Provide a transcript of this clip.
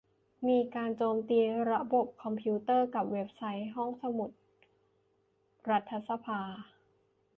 มีการโจมตีระบบคอมพิวเตอร์กับเว็บไซต์ห้องสมุดรัฐสภา